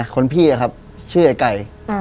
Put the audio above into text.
คนพี่อะครับชื่อไอ้ไก่